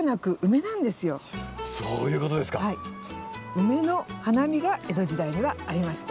ウメの花見が江戸時代にはありました。